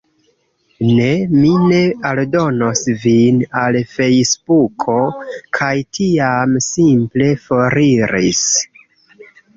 "Ne. Mi ne aldonos vin al Fejsbuko." kaj tiam simple foriris.